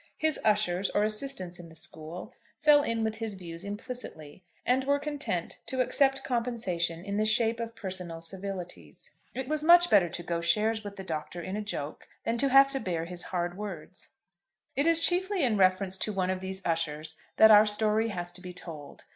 His ushers or assistants in the school fell in with his views implicitly, and were content to accept compensation in the shape of personal civilities. It was much better to go shares with the Doctor in a joke than to have to bear his hard words. It is chiefly in reference to one of these ushers that our story has to be told.